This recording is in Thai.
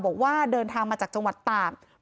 บอกว่าเดินทางมาจากจังหวัดตาก